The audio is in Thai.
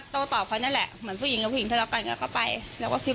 แต่จากนี้ว่าเราเป็นผู้หญิงอ่ะถ้าถามว่าเห็นเราเปรี้ยงมีดอย่างเนี่ย